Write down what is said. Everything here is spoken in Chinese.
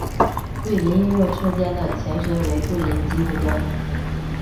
桂林运用车间的前身为桂林机务段。